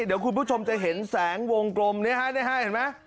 เดี๋ยวคุณผู้ชมจะเห็นแสงวงกลมนี้เห็นไหม